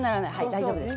大丈夫です。